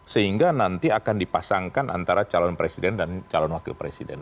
sehingga nanti akan dipasangkan antara calon presiden dan calon wakil presiden